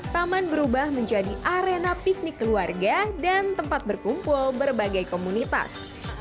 taman berubah menjadi arena piknik keluarga dan tempat berkumpul berbagai komunitas